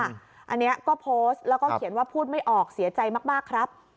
อันนี้ก็โพสต์แล้วก็เขียนว่าพูดไม่ออกเสียใจมากครับ